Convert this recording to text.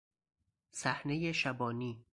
صحنهی شبانی